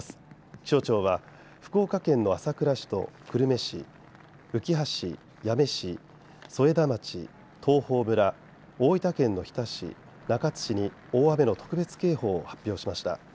気象庁は福岡県の朝倉市と久留米市うきは市、八女市添田町、東峰村大分県の日田市、中津市に大雨の特別警報を発表しました。